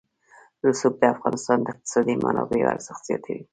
رسوب د افغانستان د اقتصادي منابعو ارزښت زیاتوي.